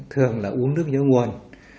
thường là uống nước nhớ nguồn